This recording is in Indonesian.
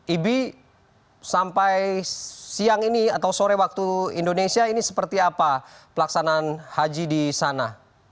ibi sampai siang ini atau sore waktu indonesia ini seperti apa pelaksanaan haji di sana